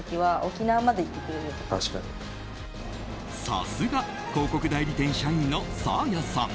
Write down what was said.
さすが広告代理店社員のサーヤさん。